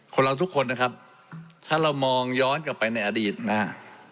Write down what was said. เราทุกคนนะครับถ้าเรามองย้อนกลับไปในอดีตนะฮะ